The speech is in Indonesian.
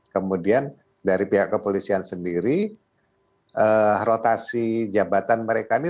kemudian dari pihak kepolisian sendiri rotasi jabatan mereka ini